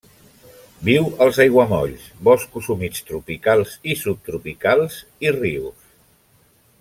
Viu als aiguamolls, boscos humits tropicals i subtropicals, i rius.